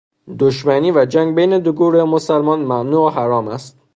دشمنی و جنگ بین دو گروه مسلمان ممنوع و حرام است.